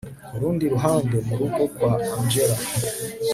kurundi ruhande, murugo kwa angella